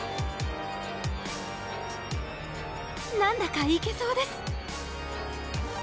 何だかいけそうです。